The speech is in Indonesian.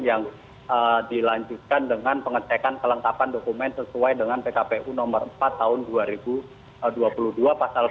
yang dilanjutkan dengan pengecekan kelengkapan dokumen sesuai dengan pkpu nomor empat tahun dua ribu dua puluh dua